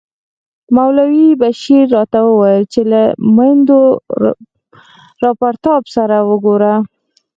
مولوي بشیر راته وویل چې له مهیندراپراتاپ سره وګوره.